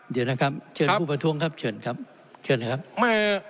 เดี๋ยวนะครับเชิญผู้ประท้วงครับเชิญครับเชิญเลยครับ